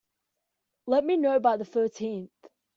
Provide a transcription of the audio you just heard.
Let me know by the thirteenth.